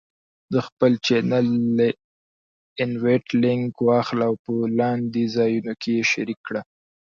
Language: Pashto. د خپل چینل Invite Link واخله او په لاندې ځایونو کې یې شریک کړه: